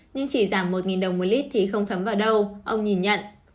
nhưng chỉ giảm một đồng một lít thì không thấm vào đâu ông nhìn nhận